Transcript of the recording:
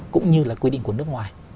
cũng như là quy định của nước ngoài